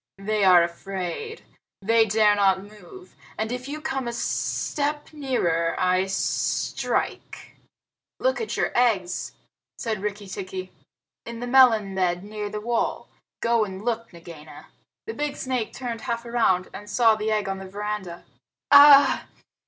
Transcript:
They are afraid. They dare not move, and if you come a step nearer I strike." "Look at your eggs," said Rikki tikki, "in the melon bed near the wall. Go and look, Nagaina!" The big snake turned half around, and saw the egg on the veranda. "Ah h!